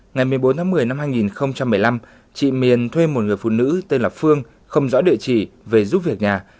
ngày một mươi bốn tháng một mươi năm hai nghìn một mươi năm chị miền thuê một người phụ nữ tên là phương không rõ địa chỉ về giúp việc nhà